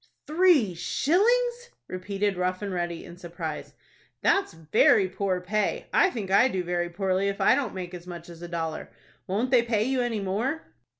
"Three shillings!" repeated Rough and Ready, in surprise. "That's very poor pay. I think I do very poorly if I don't make as much as a dollar. Won't they pay you any more?"